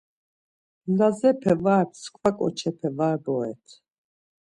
Lazepe var mskva ǩoçepe var boret.